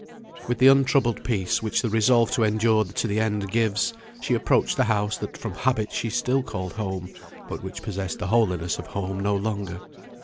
With the untroubled peace which the resolve to endure to the end gives, she approached the house that from habit she still called home, but which possessed the holiness of home no longer.